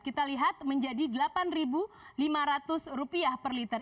kita lihat menjadi rp delapan lima ratus per liter